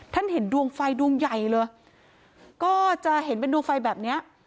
เห็นดวงไฟดวงใหญ่เลยก็จะเห็นเป็นดวงไฟแบบเนี้ย